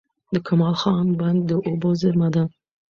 د کمال خان بند د اوبو زېرمه ده.